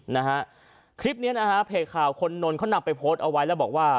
นะฮะคลิปเนี้ยนะฮะเพจข่าวคนนนท์เขานำไปโพสต์เอาไว้แล้วบอกว่า